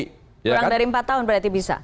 kurang dari empat tahun berarti bisa